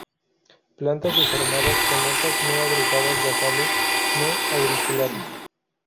Plantas desarmadas con hojas no agregadas basales; no auriculadas.